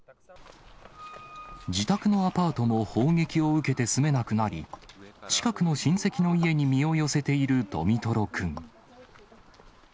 自宅のアパートも砲撃を受けて住めなくなり、近くの親戚の家に身を寄せているドミトロ君。